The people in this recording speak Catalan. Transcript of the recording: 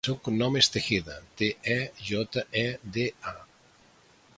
El seu cognom és Tejeda: te, e, jota, e, de, a.